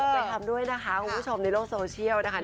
ไปทำด้วยนะคะคุณผู้ชมในโลกโซเชียลนะคะ